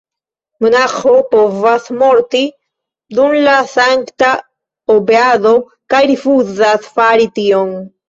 Monaĥo povas morti dum la sankta obeado kaj rifuzas fari tion!